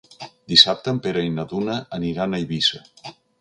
Dissabte en Pere i na Duna aniran a Eivissa.